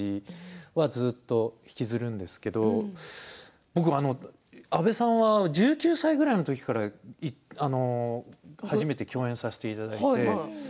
それはずっと引きずるんですけど僕、阿部さんは１９歳くらいのときから初めて共演させていただいて。